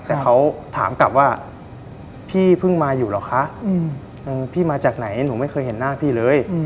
แต่เขาถามกลับว่าพี่เพิ่งมาอยู่เหรอคะพี่มาจากไหนหนูไม่เคยเห็นหน้าพี่เลย